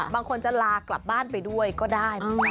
บางคนจะลากลับบ้านไปด้วยก็ได้